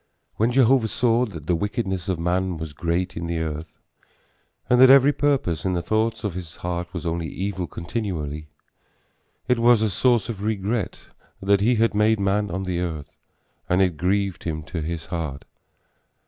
When Jehovah saw that the wickedness of man was great in the earth, and that every purpose in the thoughts of his heart was only evil continually, it was a source of regret that he had made man on the earth and it grieved him to his heart.